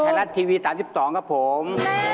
ไทยรัฐทีวี๓๒ครับผม